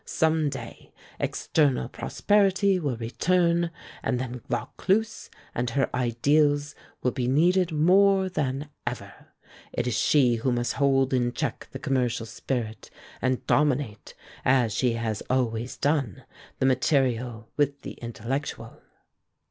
"Some day external prosperity will return, and then Vaucluse and her ideals will be needed more than ever; it is she who must hold in check the commercial spirit, and dominate, as she has always done, the material with the intellectual."